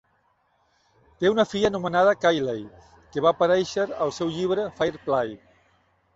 Té una filla, anomenada Cayley, que va aparèixer al seu llibre "Fair Play".